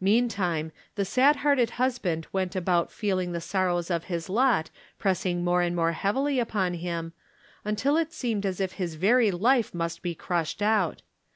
Meantime the sad hearted husband went about feeling the sorrows of his lot pressing more and more heavily upon him, until it seemed as if his very life must be crushed out.